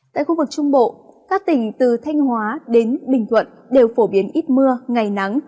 tại khu vực trung bộ các tỉnh từ thanh hóa đến bình thuận đều phổ biến ít mưa ngày nắng